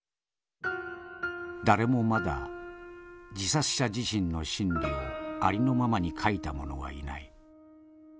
「誰もまだ自殺者自身の心理をありのままに書いた者はいない。